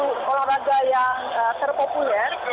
orang raga yang terpopuler